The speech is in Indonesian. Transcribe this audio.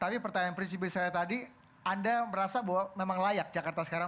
tapi pertanyaan prinsip saya tadi anda merasa bahwa memang layak jakarta sekarang